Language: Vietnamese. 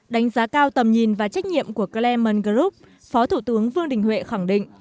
đánh giá cao tầm nhìn và trách nhiệm của clement group phó thủ tướng phương đình huệ khẳng định